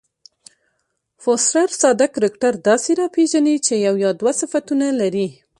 فوسټر ساده کرکټر داسي راپېژني، چي یو یا دوه صفتونه لري.